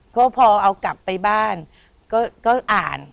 ก็พอเอากลับไปบ้านก็อ่าน